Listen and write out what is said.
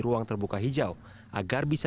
ruang terbuka hijau agar bisa